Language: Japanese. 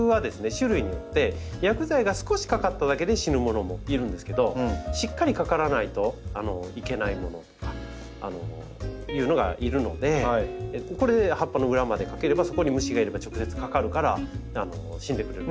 種類によって薬剤が少しかかっただけで死ぬものもいるんですけどしっかりかからないといけないものとかいうのがいるのでこれ葉っぱの裏までかければそこに虫がいれば直接かかるから死んでくれる。